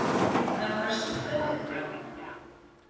Axer sıd fedexa?